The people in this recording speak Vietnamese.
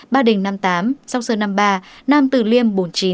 ba đình năm mươi tám sóc sơn năm mươi ba nam từ liêm bốn mươi chín